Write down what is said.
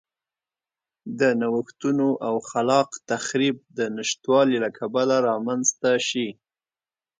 د نوښتونو او خلاق تخریب د نشتوالي له کبله رامنځته شي.